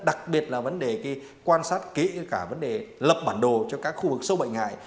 đặc biệt là quan sát kỹ lập bản đồ cho các khu vực sâu bệnh hại